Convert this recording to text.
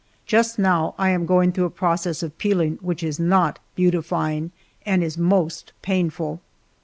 Just now I am going through a process of peeling which is not beautifying, and is most painful.